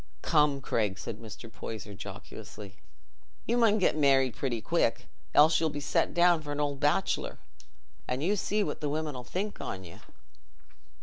"Come, Craig," said Mr. Poyser jocosely, "you mun get married pretty quick, else you'll be set down for an old bachelor; an' you see what the women 'ull think on you."